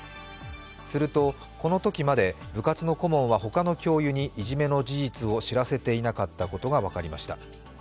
すると、このときまで部活の顧問はほかの教諭にいじめの事実を知らせていなかったことが分かりました。